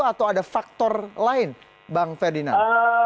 atau ada faktor lain bang ferdinand